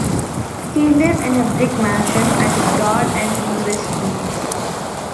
He lived in a brick mansion at Broad and Beaver Streets.